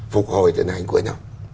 phục hồi tình hình của nó